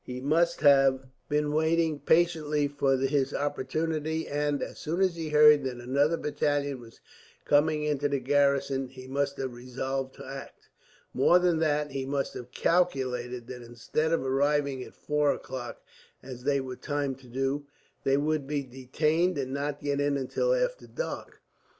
He must have been waiting patiently for his opportunity and, as soon as he heard that another battalion was coming into the garrison, he must have resolved to act. More than that, he must have calculated that instead of arriving at four o'clock, as they were timed to do, they would be detained and not get in until after dark.